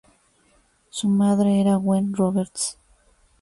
Su madre era Gwen Roberts.